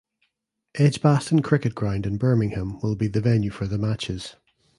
Edgbaston Cricket Ground in Birmingham will be the venue for the matches.